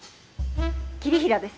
霧平です。